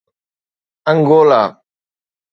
Angola